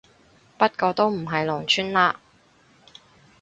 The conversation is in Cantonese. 不過都唔係農村嘞